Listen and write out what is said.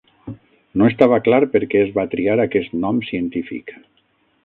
No estava clar per què es va triar aquest nom científic.